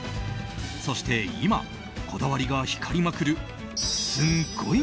そして今、こだわりが光りまくるすんごい